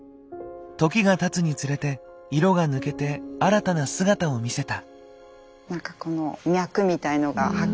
時がたつにつれて色が抜けて新たな姿を見せた。